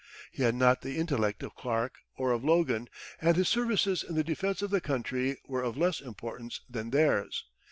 He had not the intellect of Clark or of Logan, and his services in the defense of the country were of less importance than theirs.